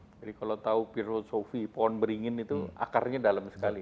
jadi kalau tahu pirol sophie pohon beringin itu akarnya dalam sekali